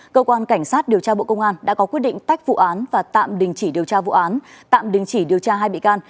cơ quan cảnh sát điều tra bộ công an đã có quyết định tách vụ án và tạm đình chỉ điều tra vụ án tạm đình chỉ điều tra hai bị can